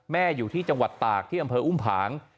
อยู่ที่จังหวัดตากที่อำเภออุ้มผาง